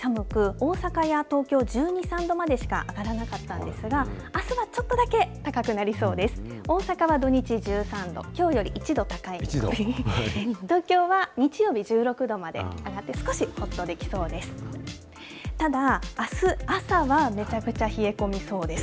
大阪は土日１３度、きょうより１度高い、東京は日曜日、１６度まで上がって、少しほっとできそうです。